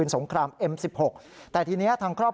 สามปีนะครับ